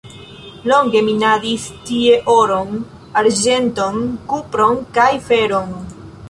Longe minadis tie oron, arĝenton, kupron kaj feron.